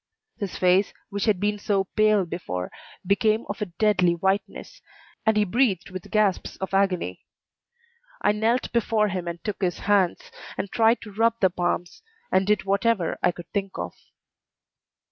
His face, which had been so pale before, became of a deadly whiteness, and he breathed with gasps of agony. I knelt before him and took his hands, and tried to rub the palms, and did whatever I could think of.